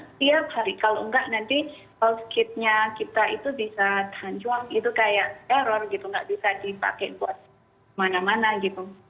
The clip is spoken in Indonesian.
setiap hari kalau enggak nanti house kitnya kita itu bisa tanjuang itu kayak error gitu nggak bisa dipakai buat mana mana gitu